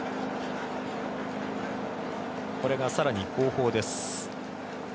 それが更に後方です。